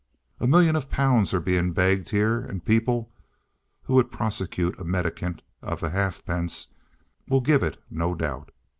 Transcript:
A million of pounds are being begged here; and people (who would prosecute a mendicant of halfpence) will give it no doubt!